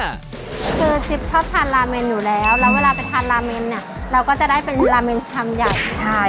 คือจิ๊บชอบทานราเมนอยู่แล้วแล้วเวลาไปทานราเมนเนี่ยเราก็จะได้เป็นราเมนชามใหญ่ใช่